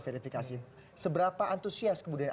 verifikasi seberapa antusias kemudian